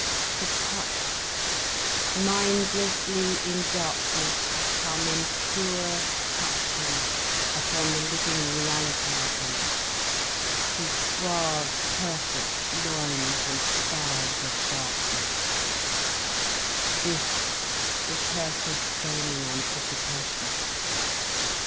To touch, mindlessly in darkness to come in pure touching upon the living reality of him, his suave perfect loins and thighs of darkness, this was her sustaining anticipation.